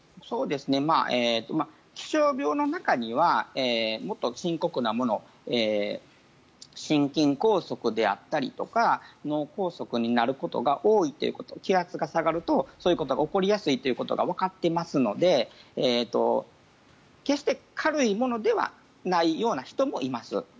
気象病の中にはもっと深刻なもの心筋梗塞であったり脳梗塞になることが多いということ、気圧が下がるとそういうことが起こりやすいということがわかっていますので決して軽いものではないような人もいます。